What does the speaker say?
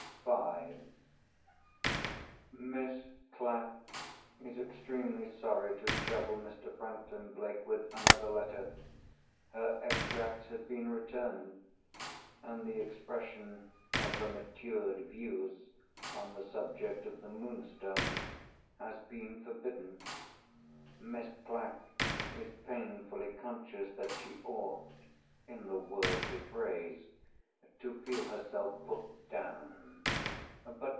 (5.) "Miss Clack is extremely sorry to trouble Mr. Franklin Blake with another letter. Her Extracts have been returned, and the expression of her matured views on the subject of the Moonstone has been forbidden. Miss Clack is painfully conscious that she ought (in the worldly phrase) to feel herself put down.